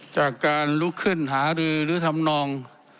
จากการลุกขึ้นหารือธรรมนอง